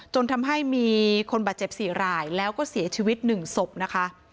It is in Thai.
จนทำให้มีคนบาดเจ็บ๔รายแล้วก็เสียชีวิต๑ศพนะคะ